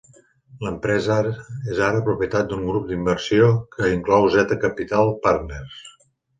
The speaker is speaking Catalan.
L'empresa és ara propietat d'un grup d'inversió que inclou Z Capital Partners.